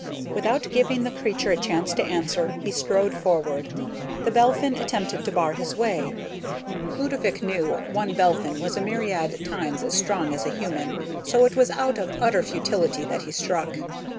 Without giving the creature a chance to answer, he strode forward. The Belphin attempted to bar his way. Ludovick knew one Belphin was a myriad times as strong as a human, so it was out of utter futility that he struck.